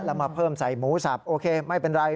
แล้วมาเพิ่มใส่หมูสับโอเคไม่เป็นไร